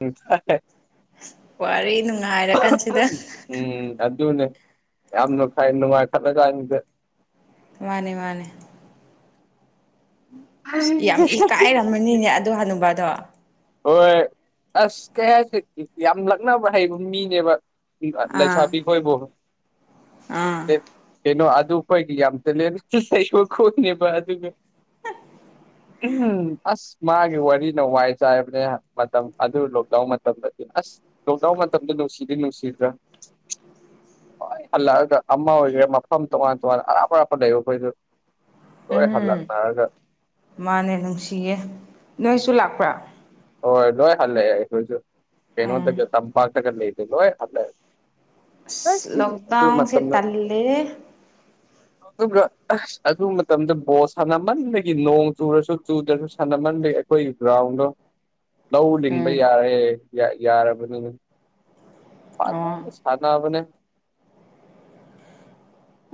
ꯎꯝ ꯋꯥꯔꯤ ꯅꯨꯡꯉꯥꯏꯔꯀꯥꯟꯁꯤꯗ ꯎꯨꯝ ꯑꯗꯨꯅꯦ ꯌꯥꯝꯅ ꯐꯩ ꯅꯨꯡꯉꯥꯏꯈꯠꯂꯀꯥꯟꯁꯤꯗ ꯃꯥꯅꯦ ꯃꯥꯅꯦ ꯏꯁ ꯌꯥꯝ ꯏꯀꯥꯏꯔꯝꯃꯅꯤꯅꯦ ꯑꯗꯨ ꯍꯅꯨꯕꯗꯣ ꯍꯣꯏ ꯑꯁ ꯀꯩ ꯍꯥꯏꯁꯤ ꯌꯥꯝ ꯂꯛꯅꯕ ꯍꯩꯕ ꯃꯤꯅꯦꯕ [unintelligible] ꯑꯥ ꯂꯩꯁꯥꯕꯤ ꯈꯣꯏꯕꯨ ꯑꯥ [unintelligible] ꯀꯩꯅꯣ ꯑꯗꯨ ꯑꯈꯣꯏꯒꯤ ꯌꯥꯝ ꯇꯦꯂꯦꯟ [unintelligible] ꯈꯣꯛꯅꯦꯕ ꯑꯗꯨꯅ ꯎꯝ ꯑꯥꯁ ꯃꯥꯒꯤ ꯋꯥꯔꯤꯅ ꯋꯥꯏ ꯆꯥꯏꯕꯅꯦ ꯃꯇꯝ ꯑꯗꯨ ꯂꯣꯛꯗꯥꯎꯟ ꯃꯇꯝꯗꯗꯤ ꯑꯁ ꯂꯣꯛꯗꯥꯎꯟ ꯃꯇꯝꯗꯣ ꯅꯨꯡꯁꯤꯗꯤ ꯅꯨꯡꯁꯤꯗ꯭ꯔꯥ [inaudible] ꯂꯣꯏ ꯍꯜꯂꯛꯑꯒ ꯑꯃ ꯑꯣꯏꯒꯦꯔꯥ ꯃꯐꯝ ꯇꯣꯉꯥꯟ ꯇꯣꯉꯥꯟ ꯑꯔꯥꯞ ꯑꯔꯥꯞꯄ ꯂꯩꯕ ꯈꯣꯏꯗꯨ ꯎꯝ ꯃꯥꯟꯅꯦ ꯅꯨꯡꯁꯤꯌꯦ ꯅꯣꯏꯁꯨ ꯂꯥꯛꯄ꯭ꯔꯥ ꯍꯣꯏ ꯂꯣꯏ ꯍꯜꯂꯑꯦ ꯑꯈꯣꯏꯁꯨ ꯎꯝ ꯀꯩꯅꯣꯗꯒꯤ ꯇꯝꯄꯥꯛ ꯇꯒ ꯂꯩꯕꯗꯣ ꯂꯣꯏ ꯍꯜꯂꯦ ꯁꯤ ꯑꯁ ꯑꯗꯨ ꯂꯣꯛꯗꯥꯎꯟ ꯁꯦ ꯃꯇꯝꯗ ꯇꯜꯂꯤꯍꯦ [inaudible] ꯑꯗꯨꯒ ꯑꯗꯨ ꯃꯇꯝꯗ ꯕꯣꯜ ꯁꯥꯟꯅꯃꯟꯕꯒꯤ ꯅꯣꯡ ꯆꯨꯔꯁꯨ ꯆꯨꯗ꯭ꯔꯁꯨ ꯁꯥꯟꯅꯃꯟꯕꯒꯤ ꯑꯈꯣꯏ ꯒ꯭ꯔꯥꯎꯟꯗꯣ ꯂꯧ ꯂꯤꯡꯕ ꯎꯝ ꯌꯥꯔꯦ ꯌꯥꯔꯕꯅꯤꯅ ꯑꯣ ꯁꯥꯟꯅꯕꯅꯦ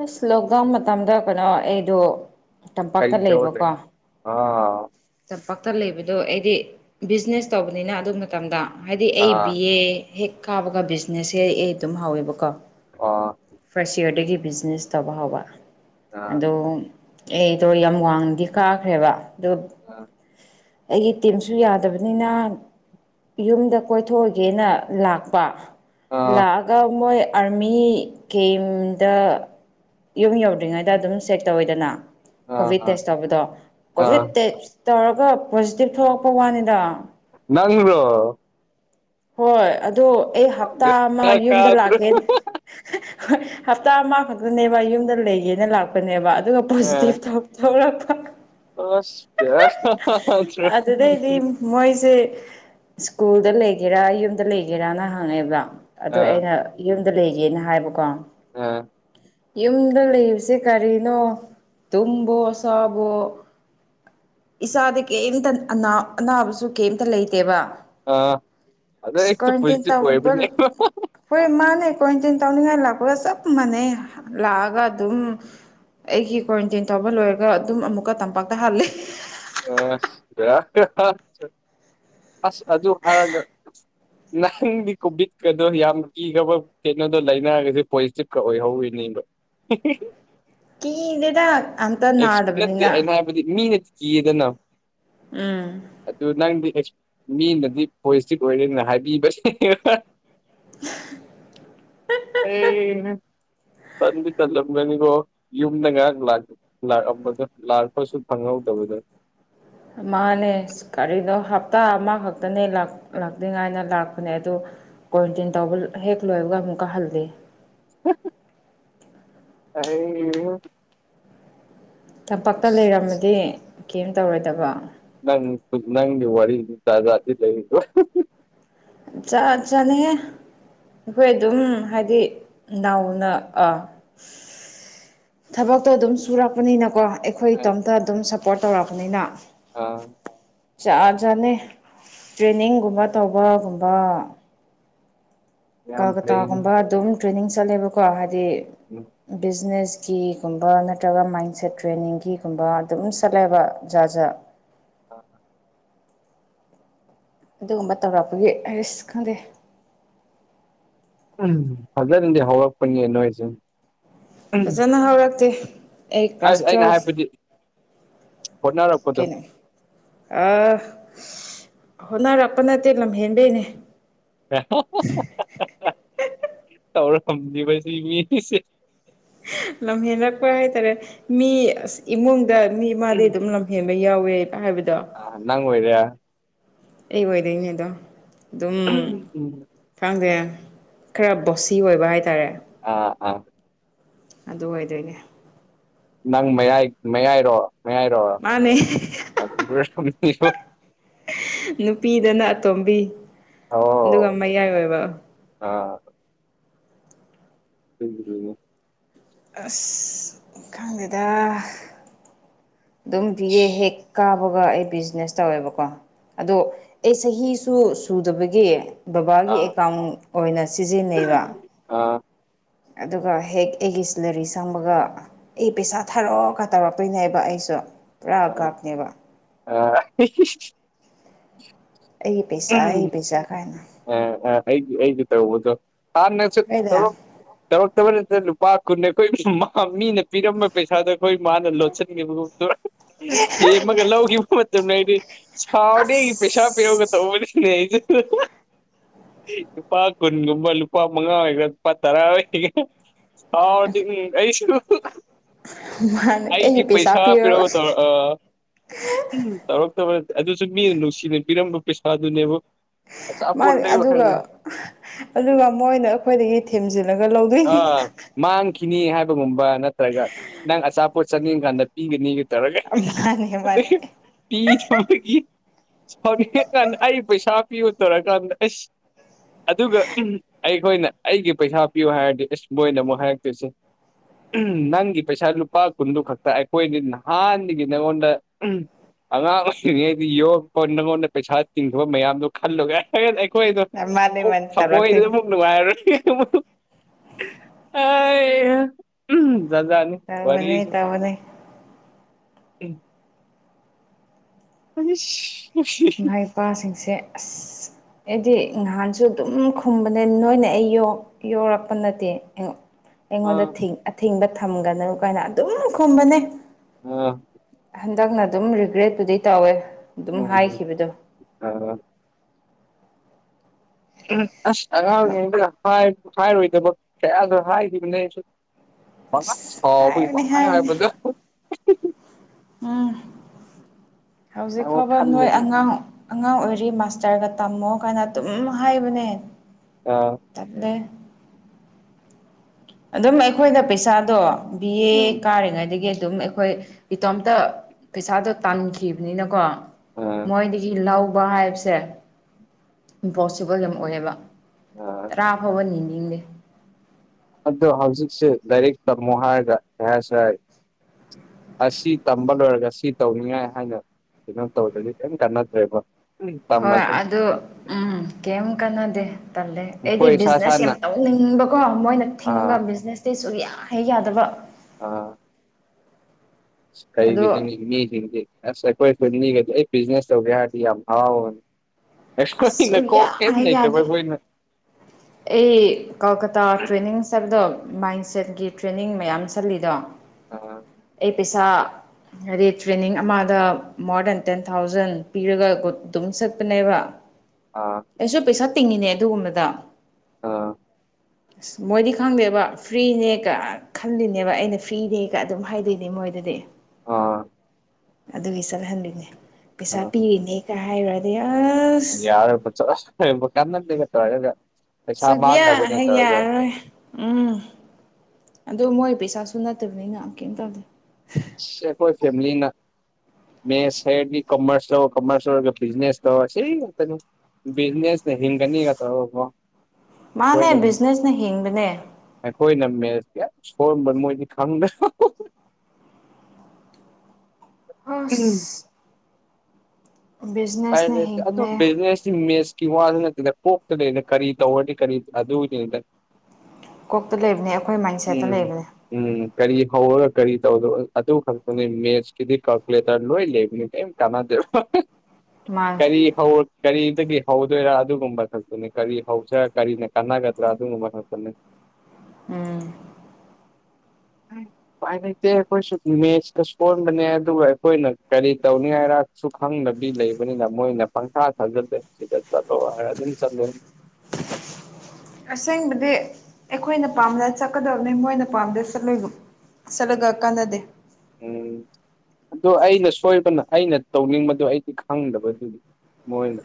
ꯑꯁ ꯂꯣꯛꯗꯥꯎꯟ ꯃꯇꯝꯗ ꯀꯩꯅꯣ ꯑꯩꯗꯣ ꯀꯔꯤ ꯇꯝꯄꯥꯛꯇ ꯇꯧꯔ ꯂꯩ ꯂꯩꯕꯀꯣ ꯑꯥ ꯆꯝꯄꯥꯛꯇ ꯂꯩꯕꯗꯣ ꯑꯩꯗꯤ ꯕꯤꯖꯤꯅꯦꯁ ꯇꯧꯕꯅꯤꯅ ꯑꯗꯨ ꯃꯇꯝꯗ ꯍꯥꯏꯗꯤ ꯑꯩ ꯑꯥ ꯕꯤ ꯑꯦ ꯍꯦꯛ ꯀꯥꯕꯒ ꯕꯤꯖꯤꯅꯦꯁꯁꯦ ꯑꯩ ꯑꯩ ꯑꯗꯨꯝ ꯍꯧꯋꯦꯕꯀꯣ ꯑꯣ ꯐꯥꯔꯁ ꯌꯥꯔꯗꯒꯤ ꯕꯤꯖꯤꯅꯦꯁ ꯇꯧꯕ ꯍꯧꯕ ꯑꯥ ꯑꯗꯣ ꯑꯩꯗꯣ ꯌꯥꯝ ꯋꯥꯡꯅꯗꯤ ꯀꯥꯈ꯭ꯔꯦꯕ ꯑꯗꯨ ꯑꯩꯒꯤ ꯇꯤꯝꯁꯨ ꯌꯥꯗꯕꯅꯤꯅ ꯌꯨꯝꯗ ꯀꯣꯏꯊꯣꯛꯎꯒꯦꯅ ꯂꯥꯛꯄ ꯑꯥ ꯂꯥꯛꯑꯒ ꯃꯣꯏ ꯑꯥꯔꯃꯤ ꯀꯦꯝꯗ ꯌꯨꯝ ꯌꯧꯗ꯭ꯔꯤꯉꯩꯗ ꯑꯗꯨꯝ ꯆꯦꯛ ꯇꯧꯋꯤꯗꯅ ꯑꯥ ꯀꯣꯚꯤꯠ ꯑꯥ ꯇꯦꯁ ꯇꯧꯕꯗꯣ ꯑꯥ ꯀꯣꯚꯤꯠ ꯇꯦꯁ ꯇꯧꯔꯒ ꯄꯣꯖꯤꯇꯤꯚ ꯊꯣꯛꯂꯛꯄ ꯋꯥꯅꯤꯗ ꯅꯪꯔꯣ ꯍꯣꯏ ꯑꯗꯣ ꯑꯩ ꯍꯞꯇꯥ ꯑꯃ ꯕꯦꯔꯥ ꯌꯨꯝꯗ ꯀꯥꯗ꯭ꯔꯣ ꯂꯥꯛꯀꯦ ꯍꯣꯏ ꯍꯞꯇꯥ ꯑꯃ ꯈꯛꯇꯅꯦꯕ ꯌꯨꯝꯗ ꯂꯩꯒꯦꯅ ꯂꯥꯛꯄꯅꯦꯕ ꯑꯗꯨꯒ ꯄꯣꯖꯤꯇꯤꯚ ꯊꯣꯛ ꯊꯣꯛꯔꯛꯄ ꯑꯁ ꯕꯦꯔꯥꯅꯤ ꯑꯗꯨꯗꯩꯗꯤ ꯃꯣꯏꯁꯦ ꯁ꯭ꯀꯨꯜꯗ ꯂꯩꯒꯦꯔꯥ ꯌꯨꯝꯗ ꯂꯩꯒꯦꯔꯅ ꯍꯪꯉꯦꯕ ꯑꯗꯨ ꯑꯥ ꯑꯩꯅ ꯌꯨꯝꯗ ꯂꯩꯒꯦꯅ ꯍꯥꯏꯕꯀꯣ ꯑꯝ ꯌꯨꯝꯗ ꯂꯩꯕꯁꯦ ꯀꯔꯤꯅꯣ ꯇꯨꯝꯕꯑꯣ ꯆꯥꯕꯑꯣ ꯏꯁꯥꯗꯤ ꯀꯩꯝꯇ ꯑꯅꯥꯕꯁꯨ ꯀꯩꯝꯇ ꯂꯩꯇꯦꯕ ꯑ ꯑꯗꯥ ꯑꯁ ꯍꯦꯛꯇ ꯀ꯭ꯋꯥꯔꯦꯟꯇꯤꯟ ꯄꯣꯏꯖꯇꯤꯚ ꯇꯧꯕ ꯑꯣꯏꯕꯅꯦꯕ ꯍꯣꯏ ꯃꯥꯅꯦ ꯀ꯭ꯋꯥꯔꯦꯟꯇꯤꯟ ꯇꯧꯅꯤꯡꯉꯥꯏ ꯂꯥꯛꯄꯒ ꯆꯞ ꯃꯥꯟꯅꯩ ꯂꯥꯛꯑꯒ ꯑꯗꯨꯝ ꯑꯩꯒꯤ ꯀ꯭ꯋꯥꯔꯦꯟꯇꯤꯟ ꯇꯧꯕ ꯂꯣꯏꯔꯒ ꯑꯗꯨꯝ ꯑꯃꯨꯛꯀ ꯇꯝꯄꯥꯛꯇ ꯍꯥꯜꯂꯦ ꯑꯁ ꯍꯥ ꯍꯥ [unintelligible] ꯑꯁ ꯑꯗꯨ ꯍꯥꯏꯔꯒ ꯅꯪꯗꯤ ꯀꯣꯚꯤꯠꯀꯗꯣ ꯌꯥꯝ ꯀꯤꯈ꯭ꯔꯕ ꯀꯩꯅꯣꯗꯣ ꯂꯩꯅꯒꯁꯨ ꯄꯣꯖꯤꯇꯤꯞꯀ ꯑꯣꯏꯍꯧꯔꯤꯅꯦꯕ ꯀꯤꯗꯦꯗ ꯑꯝꯇ ꯅꯥꯗꯕꯅꯤꯅ ꯍꯥꯏꯗꯤ ꯃꯤꯅ ꯀꯤꯌꯦꯗꯅ ꯎꯝ ꯑꯗꯨ ꯅꯪꯗꯤ ꯃꯤꯅꯗꯤ ꯄꯣꯁꯇꯤꯞ ꯑꯣꯏꯔꯦꯅ ꯍꯥꯏꯕꯤꯕꯅꯦꯕ [inaudible] ꯑꯩ ꯇꯟꯗꯤ ꯇꯜꯂꯝꯒꯅꯤꯀꯣ ꯌꯨꯝꯗ ꯉꯍꯥꯛ ꯂꯥꯛꯑꯝꯕꯗꯣ ꯂꯥꯛꯄꯁꯨ ꯐꯪꯍꯧꯗꯕꯗꯣ ꯃꯥꯅꯦ ꯀꯔꯤꯅꯣ ꯍꯞꯇꯥ ꯑꯃꯈꯛꯇꯅꯦ ꯂꯥꯛꯅꯤꯉꯥꯏꯅ ꯂꯥꯛꯄꯅꯦ ꯑꯗꯣ ꯀ꯭ꯋꯥꯔꯦꯟꯇꯤꯟ ꯇꯧꯕ ꯍꯦꯛ ꯂꯣꯏꯕꯒ ꯑꯃꯨꯛꯀꯥ ꯍꯜꯂꯦ ꯑꯩ [unintelligible] ꯇꯝꯄꯥꯛꯇ ꯑꯁ ꯂꯩꯔꯝꯃꯗꯤ ꯀꯔꯤꯝ ꯇꯧꯔꯣꯏꯗꯕ ꯅꯪ ꯅꯪꯒꯤ ꯋꯥꯔꯤ ꯖꯠ ꯖꯠꯗꯤ ꯂꯩꯔꯤꯕ ꯖꯥꯠ ꯖꯥꯠꯅꯤꯍꯦ ꯑꯈꯣꯏ ꯑꯗꯨꯝ ꯍꯥꯏꯗꯤ ꯅꯥꯎꯅ ꯑꯥ ꯊꯕꯛꯇꯣ ꯑꯗꯨꯝ ꯁꯨꯔꯛꯄꯅꯤꯅꯀꯣ ꯑꯈꯣꯏ ꯑꯥ ꯏꯇꯣꯝꯇ ꯑꯗꯨꯝ ꯁꯞꯄꯣꯔꯠ ꯇꯧꯔꯛꯄꯅꯤꯅ ꯑꯥ ꯖꯥꯠ ꯖꯥꯠꯅꯦ ꯇ꯭ꯔꯦꯅꯤꯡꯒꯨꯝꯕ ꯇꯧꯕꯒꯨꯝꯕ ꯌꯥꯝ ꯐꯩ ꯎꯝ ꯀꯜꯀꯇꯥꯒꯨꯝꯕ ꯑꯗꯨꯝ ꯇ꯭ꯔꯦꯅꯤꯡ ꯆꯠꯂꯦꯕꯀꯣ ꯍꯥꯏꯗꯤ ꯎꯝ ꯕꯤꯖꯤꯅꯦꯁꯀꯤꯒꯨꯝꯕ ꯅꯠꯇ꯭ꯔꯒ ꯃꯥꯏꯟꯁꯦꯠ ꯇ꯭ꯔꯦꯅꯤꯡꯒꯤꯒꯨꯝꯕ ꯑꯗꯨꯝ ꯆꯠꯂꯦꯕ ꯖꯥꯠ ꯖꯥꯠ ꯍ [inaudible] ꯑꯗꯨꯒꯨꯝꯕ ꯇꯧꯔꯛꯄꯒꯤ ꯑꯩꯁ ꯈꯪꯗꯦ ꯎꯝ ꯐꯖꯅꯗꯤ ꯍꯧꯔꯛꯄꯅꯤ ꯅꯣꯏꯁꯨ ꯐꯖꯅ ꯍꯧꯔꯛꯇꯦ ꯑꯩ ꯑꯁ ꯀ꯭ꯂꯥꯁ ꯑꯩꯅ ꯇꯨꯌꯦꯜꯐ ꯍꯥꯏꯕꯗꯤ ꯍꯣꯠꯅꯔꯛꯄꯗꯣ ꯀꯩꯅꯣ ꯑꯥ ꯍꯣꯠꯅꯔꯛꯄ ꯅꯠꯇꯦ ꯂꯝꯍꯦꯟꯕꯩꯅꯦ [unintelligible] ꯇꯧꯔꯝꯅꯦꯕ ꯁꯤ ꯃꯤꯁꯦ ꯂꯝꯍꯦꯟꯂꯛꯄ ꯍꯥꯏꯇꯥꯔꯦ ꯃꯤ ꯑꯁ ꯏꯃꯨꯡꯗ ꯃꯤ ꯃꯥꯗꯤ ꯑꯗꯨꯝ ꯍꯦꯟꯕ ꯌꯥꯎꯋꯦ ꯍꯥꯏꯕꯗꯣ ꯑꯥ ꯅꯪ ꯑꯣꯏꯔꯦ ꯑꯩ ꯑꯣꯏꯗꯣꯏꯅꯦ ꯑꯗꯣ ꯑꯗꯨꯝ ꯈꯪꯗꯦ ꯈꯔ ꯕꯣꯁꯤ ꯑꯣꯏꯕ ꯍꯥꯏꯇꯥꯔꯦ ꯑꯥ ꯑꯗꯨ ꯑꯣꯏꯗꯣꯏꯅꯦ ꯅꯪ ꯃꯌꯥꯏ ꯃꯌꯥꯏꯔꯣ ꯃꯌꯥꯏꯔꯣ ꯃꯥꯅꯦ ꯑꯗꯨ [unintelligible] ꯅꯨꯄꯤꯗꯅ ꯑꯇꯣꯝꯕꯤ ꯑꯣ ꯑꯗꯨꯒ ꯃꯌꯥꯏ ꯑꯣꯏꯕ ꯑꯥ [unintelligible] ꯑꯁ ꯈꯪꯗꯦꯗ ꯑꯗꯨꯝ ꯕꯤ ꯑꯦ ꯍꯦꯛ ꯀꯥꯕꯒ ꯑꯩ ꯕꯤꯖꯤꯅꯦꯁ ꯇꯧꯋꯦꯕꯀꯣ ꯑꯗꯣ ꯑꯩ ꯆꯍꯤꯁꯨ ꯁꯨꯗꯕꯒꯤ ꯕꯕꯥꯒꯤ ꯑꯥ ꯑꯦꯀꯥꯎꯟ ꯑꯣꯏꯅ ꯁꯤꯖꯤꯟꯅꯩꯕ ꯑꯥ ꯑꯗꯨꯒ ꯍꯦꯛ ꯑꯩꯒꯤ ꯁꯦꯂꯥꯔꯤ ꯆꯪꯕꯒ ꯑꯩ ꯄꯩꯁꯥ ꯊꯥꯔꯛꯑꯦ ꯒ ꯇꯧꯔꯛꯇꯣꯏꯅꯦꯕ ꯑꯩꯁꯨ ꯄꯨꯔꯥ ꯑꯥ ꯒꯞꯅꯦꯕ ꯑꯥ [unintelligible] ꯑꯩ ꯄꯩꯁꯥ ꯑꯩ ꯄꯩꯁꯥ ꯀꯥꯏꯅ ꯑꯥ ꯑꯥ ꯑꯩꯒꯤ ꯑꯩꯒꯤ ꯇꯧꯕꯗꯣ ꯍꯥꯟꯅꯁꯨ ꯑꯩꯗ ꯇꯧꯔꯛ ꯇꯧꯔꯛꯇꯕ ꯅꯠꯇꯦ ꯂꯨꯄꯥ ꯀꯨꯟꯅꯦ ꯑꯩꯈꯣꯏ ꯃꯤꯅ ꯄꯤꯔꯝꯕ ꯄꯩꯁꯥꯗꯣ ꯍꯣꯏ ꯃꯥꯅ ꯂꯣꯠꯁꯤꯟꯈꯤꯕꯒꯨꯝ ꯊꯦꯝꯃꯒ ꯂꯧꯈꯤꯕ ꯃꯇꯝ ꯂꯩꯔꯤ ꯁꯥꯎꯔꯗꯤ ꯑꯁ ꯑꯩꯒꯤ ꯄꯦꯁꯥ ꯄꯤꯔꯛꯎꯒ ꯇꯧꯕꯅꯦ ꯑꯩꯁꯨ ꯂꯨꯄꯥ ꯀꯨꯟꯒꯨꯝꯕ ꯂꯨꯄꯥ ꯃꯉꯥ ꯑꯣꯏꯒꯦꯔꯥ ꯂꯨꯄꯥ ꯇꯔꯥ ꯑꯣꯏꯒꯦꯔꯥ ꯁꯥꯎꯔꯗꯤ ꯎꯝ ꯑꯩꯁꯨ ꯃꯥꯅ ꯑꯩꯗꯤ ꯑꯩꯒꯤ ꯄꯩꯁꯥ ꯄꯤꯔꯣ ꯄꯤꯔꯛꯑꯣ ꯇꯧꯔ ꯎꯝ ꯇꯧꯔꯛꯇꯧꯕ ꯅꯠꯇꯦ ꯑꯗꯨꯁꯨ ꯃꯤꯅ ꯅꯨꯡꯁꯤꯅ ꯄꯤꯔꯝꯕ ꯄꯩꯁꯥꯗꯨꯅꯦꯕ ꯃꯥ ꯑꯆꯥꯄꯣꯠ ꯂꯩꯌꯣ ꯑꯗꯨꯒ ꯍꯥꯏꯔꯒ ꯑꯗꯨꯒ ꯃꯣꯏꯅ ꯑꯩꯈꯣꯏꯗꯒꯤ ꯊꯦꯝꯖꯤꯜꯂꯒ ꯂꯧꯗꯣꯏꯅꯦ ꯑꯥ ꯃꯥꯡꯈꯤꯅꯤ ꯍꯥꯏꯕꯒꯨꯝꯕ ꯅꯠꯇ꯭ꯔꯒ ꯅꯪ ꯑꯆꯥꯄꯣꯠ ꯆꯪꯅꯤꯡ ꯀꯥꯟꯗ ꯏ [unintelligible] ꯃꯤꯒ ꯇꯧꯔꯒ ꯃꯥꯅꯦ ꯃꯥꯅꯦ ꯄꯤ [unintelligible] ꯈꯒꯤ ꯁꯥꯎꯅꯤꯡꯑꯦ ꯀꯥꯟ ꯑꯩ ꯄꯩꯁꯥ ꯄꯤꯌꯨ ꯇꯧꯔꯀꯥꯟꯗ ꯑꯁ ꯑꯗꯨꯒ ꯎꯝ ꯑꯩꯈꯣꯏꯅ ꯑꯩꯒꯤ ꯄꯩꯁꯥ ꯄꯤꯌꯨ ꯍꯥꯏꯔꯗꯤ ꯑꯁ ꯃꯣꯏꯅ ꯑꯃꯨꯛ ꯍꯥꯏꯔꯛꯇꯣꯏꯁꯦ ꯅꯪꯒꯤ ꯄꯩꯁꯥ ꯂꯨꯄꯥ ꯀꯨꯟꯗꯨ ꯈꯛꯇ ꯑꯩꯈꯣꯏꯗꯤ ꯅꯍꯥꯟꯗꯒꯤ ꯅꯉꯣꯟꯗ ꯑꯉꯥꯡ ꯑꯣꯏꯔꯤꯉꯩꯗ ꯌꯣꯛꯄ ꯅꯉꯣꯟꯗ ꯄꯩꯁꯥ ꯇꯤꯛꯈ꯭ꯔꯥꯕ ꯃꯌꯥꯝꯗꯣ ꯈꯜꯂꯣ ꯀꯥꯢꯅ ꯑꯈꯣꯏꯗꯣ ꯃꯥꯅꯦ ꯑꯃꯨꯛ ꯃꯥꯅꯦ ꯊꯃꯣꯏꯗ ꯇꯧꯔꯛꯇꯣꯏꯅꯤ ꯑꯃꯨꯛ ꯅꯨꯡꯉꯥꯏꯔꯔꯣꯏ ꯑꯥꯏꯍꯥ ꯎꯝ ꯖꯥꯠꯖꯥꯠꯅꯤ ꯇꯧꯕꯅꯦ ꯇꯧꯕꯅꯦ ꯎꯝ ꯁꯤ [unintelligible] ꯏꯃꯥ ꯏꯄꯥꯁꯤꯡꯁꯦ ꯑꯁ ꯑꯩꯗꯤ ꯅꯍꯥꯟꯁꯨ ꯑꯗꯨꯝ ꯈꯨꯝꯕꯅꯦ ꯅꯣꯏꯅ ꯑꯩ ꯌꯣꯛ ꯌꯣꯛꯔꯛꯄ ꯅꯠꯇꯦ ꯑꯥ ꯑꯩꯉꯣꯟꯗ ꯑꯊꯤꯡꯕ ꯊꯝꯒꯅꯨ ꯀꯥꯏꯅ ꯑꯗꯨꯝ ꯈꯨꯝꯕꯅꯦ ꯑꯥ ꯍꯟꯗꯛꯅ ꯑꯗꯨꯝ ꯔꯤꯒ꯭ꯔꯦꯠꯄꯨꯗꯤ ꯇꯧꯋꯦ ꯑꯗꯨꯝ ꯑꯥ ꯍꯥꯏꯈꯤꯕꯗꯣ [unintelligible] ꯎꯝ ꯑꯁ ꯑꯉꯥꯡꯔꯤꯉꯩꯗꯒ ꯍꯥꯏ ꯍꯥꯏꯔꯣꯏꯗꯕ ꯀꯌꯥꯁꯨ ꯍꯥꯏꯈꯤꯕꯅꯦ ꯑꯩꯁꯨ ꯑꯃ ꯁꯥꯎꯕꯒꯤ ꯍꯥꯏꯕꯅꯦ ꯄꯪꯉꯥꯏ ꯍꯥꯏꯕꯅꯦ ꯍꯥꯏꯕꯗꯣ ꯎꯝ ꯍꯧꯖꯤꯛ ꯑꯃꯨꯛ ꯐꯥꯎꯕ ꯅꯣꯏ ꯈꯜꯂꯗꯤ ꯑꯉꯥꯡ ꯑꯉꯥꯡ ꯑꯣꯏꯔꯤ ꯃꯥꯁꯇꯥꯔꯒ ꯇꯝꯃꯣ ꯀꯥꯏꯅ ꯑꯗꯨꯝ ꯍꯥꯏꯕꯅꯦ ꯑꯥ ꯇꯜꯂꯦ ꯑꯗꯨꯝ ꯑꯩꯈꯣꯏꯅ ꯄꯩꯁꯥꯗꯣ ꯕꯤ ꯑꯦ ꯀꯥꯔꯤꯉꯩꯗꯒꯤ ꯑꯗꯨꯝ ꯑꯩꯈꯣꯏ ꯏꯇꯣꯝꯇ ꯄꯩꯁꯥꯗꯣ ꯇꯥꯟꯈꯤꯕꯅꯤꯅꯀꯣ ꯑꯥ ꯃꯣꯏꯗꯒꯤ ꯂꯧꯕ ꯍꯥꯏꯕꯁꯦ ꯏꯝꯄꯣꯁꯤꯕꯜ ꯌꯥꯝ ꯑꯣꯏꯌꯦꯕ ꯑꯥ ꯐꯥꯎꯕ ꯅꯤꯅꯤꯡꯗꯦ ꯑꯗꯣ ꯍꯧꯖꯤꯛꯁꯨ ꯂꯥꯏꯔꯤꯛ ꯇꯝꯃꯣ ꯍꯥꯏꯔꯒ ꯀꯩ ꯍꯥꯏꯔꯁꯨ ꯍꯥꯏ ꯑꯁꯤ ꯇꯝꯕ ꯂꯣꯏꯔꯒ ꯁꯤ ꯇꯧꯅꯤꯉꯥꯏ ꯍꯥꯏꯅ ꯀꯩꯅꯣ ꯇꯧꯗ꯭ꯔꯗꯤ ꯀꯩꯝ ꯀꯥꯟꯅꯗ꯭ꯔꯦꯕꯥ ꯍꯣꯏ ꯑꯗꯨ ꯎꯝ ꯀꯩꯝ ꯀꯥꯟꯅꯗꯦ ꯇꯜꯂꯦ ꯑꯩꯗꯤ ꯑꯩꯈꯣꯏ ꯏꯁꯥ ꯕꯤꯖꯤꯅꯦꯁ ꯌꯥꯝ ꯏꯁꯥꯅ ꯇꯧꯅꯤꯡꯕꯀꯣ ꯃꯣꯏꯅ ꯊꯤꯡꯕ ꯑꯥ ꯕꯤꯖꯤꯅꯦꯁ ꯁꯨꯌꯥ ꯍꯦꯛ ꯌꯥꯗꯕ ꯑꯥ ꯑꯗꯣ ꯀꯩꯔꯤꯒꯤ ꯃꯤꯁꯤꯡꯁꯦ ꯑꯁ ꯑꯩꯈꯣꯏ ꯈꯨꯟꯗꯤ ꯑꯩ ꯕꯤꯖꯤꯅꯦꯁ ꯇꯧꯒꯦ ꯍꯥꯏꯔꯗꯤ ꯌꯥꯝ ꯍꯔꯥꯎꯕꯅꯤ ꯑꯁ ꯁꯨꯛꯌꯥ ꯅꯀꯣꯛ ꯀꯩꯝ ꯍꯦꯛ ꯂꯩꯇꯕ ꯌꯥꯗꯦ ꯑꯈꯣꯏꯅ ꯑꯩ ꯀꯜꯀꯇꯥ ꯇ꯭ꯔꯦꯅꯤꯡ ꯆꯠꯄꯗꯣ ꯃꯥꯏꯟ ꯁꯦꯠꯀꯤ ꯇ꯭ꯔꯦꯅꯤꯡ ꯃꯌꯥꯝ ꯆꯠꯂꯤꯗꯣ ꯑꯥ ꯑꯩ ꯄꯩꯁꯥ ꯍꯥꯏꯗꯤ ꯇ꯭ꯔꯦꯅꯤꯡ ꯑꯃꯗ ꯃꯣꯔ ꯗꯦꯟ ꯇꯦꯟ ꯊꯥꯎꯖꯟ ꯄꯤꯔꯒ ꯑꯗꯨꯝ ꯆꯠꯄꯅꯦꯕ ꯑꯥ ꯑꯩꯁꯨ ꯄꯩꯁꯥ ꯇꯤꯡꯉꯤꯅꯦ ꯑꯗꯨꯒꯨꯝꯕꯗ ꯑꯥ ꯑꯁ ꯃꯣꯏꯗꯤ ꯈꯪꯗꯦꯕ ꯐ꯭ꯔꯤꯅꯦꯒ ꯈꯜꯂꯤꯅꯦꯕ ꯑꯩꯅ ꯐ꯭ꯔꯤꯅꯦ ꯀꯩꯀ ꯑꯗꯨꯝ ꯍꯥꯏꯗꯣꯏꯅꯦ ꯃꯣꯏꯗꯗꯤ ꯑꯥ ꯑꯗꯨꯒꯤ ꯆꯠꯍꯟꯂꯤꯅꯦ ꯄꯩꯁꯥ ꯄꯤꯔꯤꯅꯦꯒ ꯍꯥꯏꯔꯨꯔꯗꯤ ꯑꯁ ꯌꯥꯔꯦ [unintelligible] ꯀꯅꯥꯗꯦꯀ ꯇꯧꯔꯒ ꯄꯩꯁꯥ ꯁꯨꯛꯌꯥ ꯃꯥꯡꯅꯕꯅꯦ ꯍꯦꯛ ꯇꯧꯔꯒ ꯌꯥꯔꯔꯣꯏ ꯎꯝ ꯑꯗꯨ ꯃꯣꯏ ꯄꯩꯁꯥꯁꯨ ꯅꯠꯇꯕꯅꯤꯅ ꯀꯩꯝ ꯇꯧꯗꯦ [unintelligible] ꯈꯣꯢ ꯐꯦꯃꯤꯂꯤ ꯅ ꯃꯦꯠꯁ ꯍꯥꯏꯔꯗꯤ ꯀꯝꯃꯔꯁ ꯂꯧꯔ ꯀꯣꯃꯔꯁ ꯂꯧꯔ ꯕꯤꯖꯤꯅꯦꯁ ꯇꯧꯔ ꯁꯤ ꯉꯥꯡꯇꯅꯤ ꯕꯤꯖꯤꯅꯦꯁꯅ ꯍꯤꯡꯒꯅꯤꯅ ꯇꯧꯔꯛꯄ ꯃꯥꯅꯦ ꯕꯤꯖꯤꯅꯦꯁꯅ ꯍꯤꯡꯕꯅꯦ ꯑꯩꯈꯣꯏꯅ ꯃꯦꯁ ꯀ꯭ꯌꯥꯝ ꯁꯣꯟꯕ ꯃꯣꯏꯗꯤ ꯈꯪꯗ꯭꯭ꯔꯕꯥ ꯎꯄꯥꯏ ꯑꯁ ꯎꯄꯥꯏ ꯕꯤꯖꯤꯅꯦꯁꯅ ꯂꯩꯇꯦ ꯑꯗꯣ ꯍꯤꯡꯕꯅꯦ ꯕꯤꯖꯤꯅꯦꯁꯇꯤ ꯃꯦꯁ ꯀꯤ ꯋꯥꯗꯨ ꯅꯠꯇꯦꯗ ꯀꯣꯛꯇ ꯂꯩꯅ ꯀꯔꯤ ꯇꯧꯔꯗꯤ ꯀꯔꯤ ꯑꯗꯨ ꯒꯤꯅꯤꯗ ꯀꯣꯛꯇ ꯂꯩꯕꯅꯦ ꯑꯩꯈꯣꯏ ꯃꯥꯏꯟ ꯁꯦꯠꯇ ꯎꯝ ꯂꯩꯕꯅꯦ ꯎꯝ ꯀꯔꯤ ꯍꯧꯔꯒ ꯀꯔꯤ ꯇꯧꯗꯧꯕ ꯑꯗꯨ ꯈꯛꯇꯅꯤ ꯃꯦꯠꯁꯀꯤꯗꯤ ꯀꯥꯜꯀꯨꯂꯦꯇꯔ ꯂꯣꯏ ꯂꯩꯕꯅꯤ ꯀꯦꯝ ꯀꯥꯟꯅꯗꯦ ꯍ ꯍ ꯃꯥꯅꯦ ꯀꯔꯤ [unintelligible] ꯀꯔꯤꯗꯒꯤ ꯍꯧꯗꯣꯏꯔꯥ ꯑꯗꯨꯒꯨꯝꯕ ꯈꯛꯇꯅꯤ ꯀꯔꯤ ꯍꯧꯁꯤꯔꯥ ꯀꯔꯤꯅ ꯀꯥꯟꯅꯒꯗ꯭ꯔꯥ ꯑꯗꯨꯒꯨꯝꯕ ꯈꯛꯇꯅꯤ ꯎꯝ ꯎꯄꯥꯏ ꯂꯩꯇꯦ ꯑꯩꯈꯣꯏꯁꯨ ꯃꯦꯠꯁꯀ ꯁꯣꯟꯕꯅꯦ ꯑꯗꯨꯒ ꯑꯩꯈꯣꯏꯅ ꯀꯔꯤ ꯇꯧꯅꯤ ꯍꯥꯏꯔ ꯁꯨ ꯈꯪꯗꯕꯤ ꯂꯩꯕꯅꯤꯅ ꯃꯣꯏꯅ ꯄꯪꯊꯥ ꯊꯥꯖꯤꯜꯂꯨ ꯁꯤꯗ ꯆꯠꯂꯣ ꯍꯥꯏꯔ ꯑꯗꯨꯝ ꯆꯠꯂꯦ [inaudible] ꯑꯁꯦꯡꯕꯗꯤ ꯑꯩꯈꯣꯏꯅ ꯄꯥꯝꯅ ꯆꯠꯀꯗꯕꯅꯤ ꯃꯣꯏꯅ ꯄꯥꯝꯗ ꯆꯠꯂꯣꯏꯕ ꯆꯠꯂꯒ ꯀꯥꯟꯅꯗꯦ ꯎꯝ ꯑꯗꯣ ꯑꯩꯅ ꯁꯣꯏꯕꯅ ꯑꯩꯅ ꯇꯧꯅꯤꯡꯕꯗꯣ ꯑꯩꯗꯤ ꯈꯪꯗꯕ ꯑꯗꯨꯒꯤ ꯃꯣꯏꯅ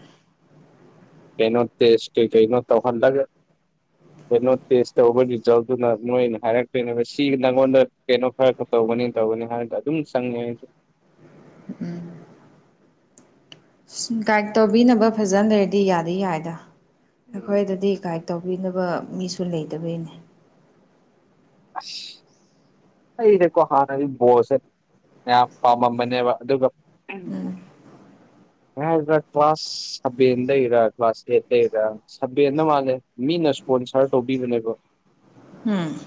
ꯀꯩꯅꯣ ꯇꯦꯁ ꯀꯩ ꯀꯩꯅꯣ ꯇꯧꯍꯜꯂꯒ ꯀꯩꯅꯣ ꯇꯦꯁ ꯇꯧꯔꯕꯒꯤ ꯔꯤꯖꯜꯇꯨꯅ ꯃꯣꯏꯅ ꯍꯥꯏꯔꯛꯇꯣꯏꯅꯦꯕ ꯁꯤ ꯅꯪꯉꯣꯟꯗ ꯀꯩꯅꯣ ꯈꯔ ꯇꯧꯒꯅꯤ ꯇꯧꯒꯅꯤ ꯍꯥꯏꯕꯗ ꯑꯗꯨꯝ ꯆꯪꯉꯦ ꯑꯩꯁꯨ ꯒꯥꯏꯗ ꯇꯧꯕꯤꯅꯕ ꯐꯖꯅ ꯂꯩꯔꯗꯤ ꯌꯥꯗꯤ ꯌꯥꯏꯗ ꯎꯝ ꯑꯩꯈꯣꯏꯗꯗꯤ ꯒꯥꯏꯠ ꯇꯧꯕꯤꯅꯕ ꯃꯤꯁꯨ ꯂꯩꯇꯕꯩꯅꯦ ꯑꯁ [unintelligible] ꯑꯩꯗꯤꯀꯣ ꯍꯥꯟꯅꯗꯤ ꯕꯣꯜꯁꯦ ꯌꯥꯝ ꯄꯥꯝꯃꯝꯕꯅꯦꯕ ꯑꯗꯨꯒ ꯎꯝ [unintelligible] ꯀ꯭ꯂꯥꯁ ꯁꯕꯦꯟ ꯗꯩꯔ ꯀ꯭ꯂꯥꯁ ꯑꯩꯩꯇ ꯗꯩꯔ ꯁꯕꯦꯟꯗ ꯃꯥꯜꯂꯦ ꯃꯤꯅ ꯏꯁꯄꯣꯟꯁꯔ ꯇꯧꯕꯤꯕꯅꯦꯕ ꯎꯝ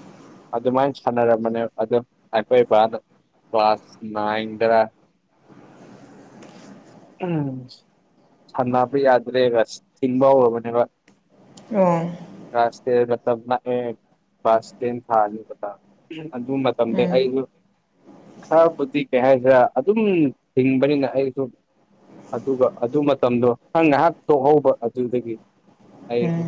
ꯑꯗꯨꯃꯥꯏꯅ ꯁꯥꯟꯅꯔꯝꯕꯅꯦꯕ ꯑꯗꯨ ꯑꯈꯣꯏ ꯄꯥꯅ ꯀ꯭ꯂꯥꯁ ꯅꯥꯏꯟꯗꯔ ꯎꯝ ꯁꯥꯟꯅꯕ ꯌꯥꯗ꯭ꯔꯦꯒ ꯊꯤꯡꯕ ꯍꯧꯔꯕꯅꯦꯕ ꯑꯣ ꯀ꯭ꯂꯥꯁ ꯇꯦꯟꯒ ꯇꯝ ꯉꯛꯑꯦ ꯀ꯭ꯂꯥꯁ ꯇꯦꯟ ꯊꯥ ꯂꯣꯏꯕꯒ ꯎꯝ ꯑꯗꯨꯝ ꯃꯇꯝꯗ ꯎꯝ ꯑꯩꯁꯨ ꯈꯔꯕꯨꯗꯤ ꯀꯩ ꯍꯥꯏꯁꯤꯔ ꯑꯗꯨꯝ ꯍꯤꯡꯕꯅꯤꯅ ꯑꯩꯁꯨ ꯑꯗꯨꯒ ꯑꯗꯨ ꯃꯇꯝꯗꯣ ꯅꯪ ꯉꯥꯏꯍꯥꯛ ꯇꯣꯛꯍꯧꯕ ꯑꯗꯨꯗꯒꯤ ꯑꯩꯁꯦ ꯎꯝ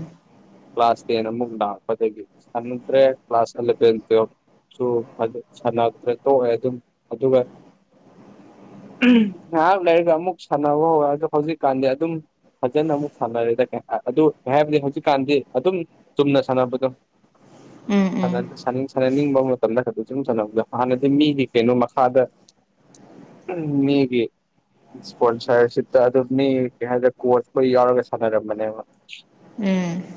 ꯀ꯭ꯂꯥꯁ ꯇꯦꯟ ꯑꯃꯨꯛ ꯂꯥꯛꯄꯗꯒꯤ ꯁꯪꯗ꯭ꯔꯦ ꯀ꯭ꯂꯥꯁ ꯑꯂꯚꯦꯟ ꯇꯨꯋꯦꯚꯁꯨ ꯑꯗꯨ ꯁꯥꯟꯅꯗ꯭ꯔꯦ ꯇꯣꯛꯑꯦ ꯑꯗꯨꯝ ꯑꯗꯨꯒ ꯎꯍꯝ ꯉꯥꯏꯍꯥꯛ ꯂꯩꯔꯒ ꯑꯃꯨꯛ ꯁꯥꯟꯅꯧꯑꯣ ꯑꯗꯨ ꯍꯧꯖꯤꯛꯀꯥꯟꯗꯤ ꯑꯗꯨꯝ ꯐꯖꯅ ꯑꯃꯨꯛ ꯁꯥꯟꯅꯔꯦꯗ ꯑꯦ ꯑ ꯑꯗꯨ ꯀꯩ ꯍꯥꯏꯕꯗꯤ ꯍꯧꯖꯤꯛꯀꯥꯟꯗꯤ ꯑꯗꯨꯝ ꯆꯨꯝꯅ ꯁꯥꯟꯅꯕꯗꯣ ꯎꯝ ꯎꯝ ꯁꯥꯅ ꯁꯅꯤꯡ ꯁꯥꯟꯅꯅꯤꯡꯕ ꯃꯇꯝꯗ ꯆꯨꯝ ꯁꯥꯅꯕꯗ ꯍꯥꯟꯅꯗꯤ ꯃꯤꯒꯤ ꯀꯩꯅꯣ ꯃꯈꯥꯗ ꯎꯝ ꯃꯤꯒꯤ ꯏꯁꯄꯣꯟꯁꯔꯁꯤꯞꯇ ꯑꯗꯨꯝ ꯀꯩ ꯍꯥꯏꯇꯥꯔꯦ ꯀꯣꯠꯆ ꯌꯥꯎꯔꯒ ꯁꯥꯟꯅꯔꯝꯕꯅꯦꯕ ꯎꯝ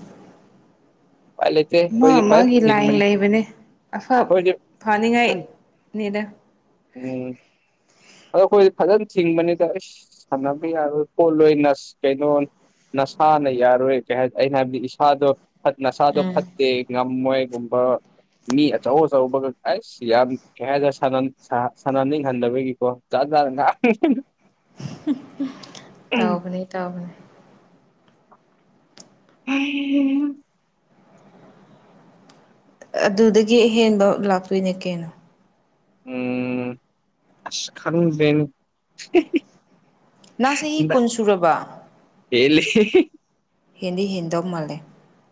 ꯎꯄꯥꯏ ꯂꯩꯇꯦ ꯃꯥ ꯑꯩꯈꯣꯏꯗꯤ ꯐꯖꯅ ꯃꯥꯒꯤ ꯂꯥꯏꯟ ꯊꯤꯡꯕꯅꯤ ꯂꯩꯕꯅꯦ ꯑꯐ ꯑꯩꯈꯣꯏꯗꯤ ꯐꯥꯅꯤꯡꯉꯥꯏꯅꯤꯗ ꯎꯝ ꯑꯗꯣ ꯑꯩꯈꯣꯏ ꯐꯖꯅ ꯊꯤꯡꯕꯅꯤꯗ ꯏꯁ ꯁꯥꯟꯅꯕ ꯌꯥꯔꯣꯏ ꯈꯣꯠꯂꯣꯏꯅ ꯑꯁ ꯀꯩꯅꯣ ꯅꯁꯥꯅ ꯌꯥꯔꯣꯏ ꯀꯩ ꯍꯥꯏ ꯑꯩꯅ ꯍꯥꯏꯕꯗꯤ ꯏꯁꯥꯗꯣ ꯐꯠ ꯅꯁꯥꯗꯣ ꯎꯝ ꯐꯠꯇꯦ ꯉꯝꯃꯣꯏꯒꯨꯝꯕ ꯃꯤ ꯑꯆꯧ ꯑꯆꯧꯕꯒ ꯑꯁ ꯌꯥꯝ ꯀꯩ ꯍꯥꯏꯇꯥꯔꯦ ꯁꯥꯟꯅ ꯁꯥꯟꯅꯍꯟꯅꯤꯡꯗꯕꯒꯤ ꯑꯣ ꯖꯥꯠ ꯖꯥꯠ ꯉꯥꯡꯉꯤ ꯇꯧꯕꯅꯦ ꯇꯧꯕꯅꯦ [inaudible] [unintelligible] ꯑꯗꯨꯗꯒꯤ ꯑꯍꯦꯟꯕ ꯂꯥꯛꯇꯣꯏꯅꯦ ꯀꯩꯅꯣ ꯎꯝ ꯑꯁ ꯈꯪꯗ꯭ꯔꯦꯅꯦ ꯅꯪ ꯆꯍꯤ ꯍꯟꯗꯛ ꯀꯨꯟ ꯁꯨꯔꯕ ꯍꯦꯜꯂꯦ ꯍꯦꯟꯗꯤ ꯍꯦꯟꯗꯧ ꯃꯥꯜꯂꯦ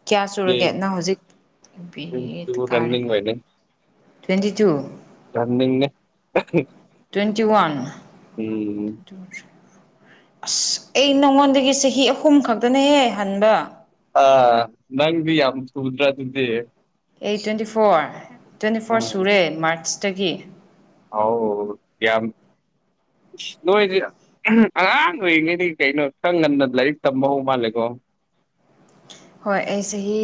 ꯀꯌꯥ ꯁꯨꯔꯒꯦ ꯅꯪ ꯍꯧꯖꯤꯛ ꯕꯤꯑꯦ ꯔꯟꯅꯤꯡ ꯀꯥꯔꯦꯀꯣ ꯑꯣꯏꯔꯦ ꯇ꯭ꯋꯦꯟꯇꯤ ꯇꯨ ꯌꯥꯝ ꯂꯤꯡꯉꯦ ꯇ꯭ꯋꯦꯟꯇꯤ ꯋꯥꯟ ꯎꯝ ꯑꯁ ꯑꯩ ꯅꯉꯣꯟꯗꯒꯤ ꯆꯍꯤ ꯑꯍꯨꯝ ꯈꯛꯇꯅꯦꯍꯦ ꯍꯟꯕ ꯑꯥ ꯅꯪꯗꯤ ꯌꯥꯝ ꯊꯨꯗ꯭ꯔꯥ ꯑꯗꯨꯗꯤ ꯑꯩ ꯇ꯭ꯋꯦꯟꯇꯤ ꯐꯣꯔ ꯇ꯭ꯋꯦꯟꯇꯤ ꯐꯣꯔ ꯁꯨꯔꯦ ꯃꯥꯔꯁꯇꯒꯤ ꯑꯧ ꯌꯥꯝ ꯏꯁ ꯅꯣꯏꯗꯤ ꯑꯉꯥꯡ ꯑꯣꯏꯔꯤꯉꯩꯗꯒꯤ ꯀꯩꯅꯣ ꯈꯔ ꯉꯟꯅ ꯂꯥꯏꯔꯤꯛ ꯇꯝꯕ ꯍꯧꯕ ꯃꯥꯜꯂꯦꯀꯣ ꯍꯣꯏ ꯑꯩ ꯆꯍꯤ